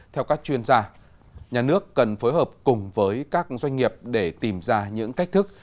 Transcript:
theo các chuyên gia nhà nước cần phối hợp cùng với các doanh nghiệp để tìm ra những cách thức